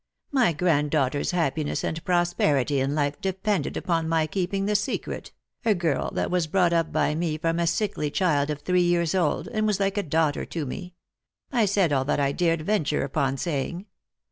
My grand daughter's happiness and prosperity in life depended upon my keeping the secret — a girl that was brought up by me from a sickly child of three years old, and was like a daughter to me. I said all that I dared venture upon saying.